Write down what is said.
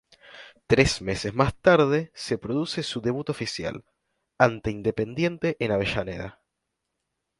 Tres meses más tarde se produce su debut oficial, ante Independiente en Avellaneda.